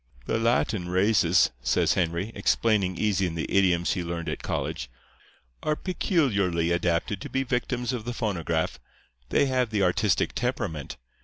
"'The Latin races,' says Henry, explaining easy in the idioms he learned at college, 'are peculiarly adapted to be victims of the phonograph. They have the artistic temperament.